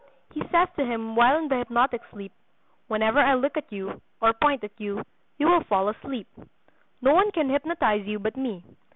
He says to him while in the hypnotic sleep: "Whenever I look at you, or point at you, you will fall asleep. No one can hypnotize you but me.